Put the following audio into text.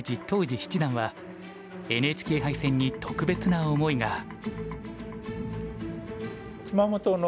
当時七段はＮＨＫ杯戦に特別な思いが。